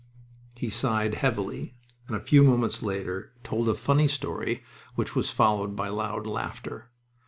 He sighed heavily, and a few moments later told a funny story, which was followed by loud laughter.